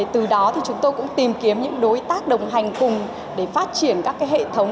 từ đó thì chúng tôi cũng tìm kiếm những đối tác đồng hành cùng để phát triển các hệ thống